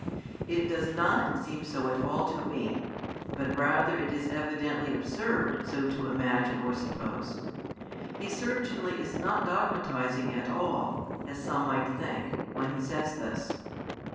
It does not seem so at all to me, but rather it is evidently absurd so to imagine or suppose; He certainly is not dogmatizing at all (as some might think) when He says this.